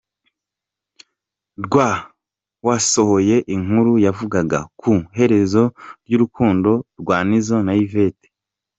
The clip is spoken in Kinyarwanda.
rw wasohoye inkuru yavugaga ku iherezo ry’urukundo rwa Nizzo na Yvette.